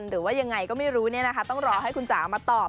หรือว่ายังไงก็ไม่รู้ต้องรอให้คุณจ๋ามาตอบ